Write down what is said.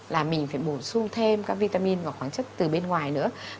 là mình phải bổ sung thêm các vitamin và khoáng chất từ bên ngoài nữa